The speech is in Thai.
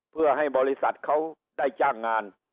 เพื่อให้บริษัทเขาได้จ้างงาน